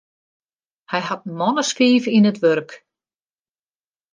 Hy hat in man as fiif yn it wurk.